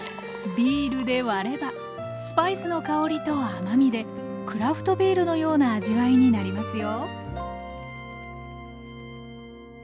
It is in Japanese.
ビールで割ればスパイスの香りと甘みでクラフトビールのような味わいになりますよ